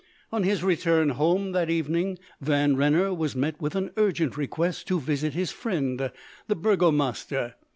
On his return home that evening Van Renner was met with an urgent request to visit his friend, the Burgomaster.